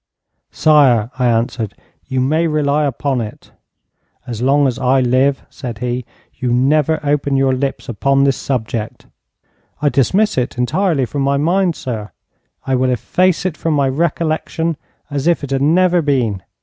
'Sire,' I answered, 'you may rely upon it.' 'As long as I live,' said he, 'you never open your lips upon this subject.' 'I dismiss it entirely from my mind, sire. I will efface it from my recollection as if it had never been.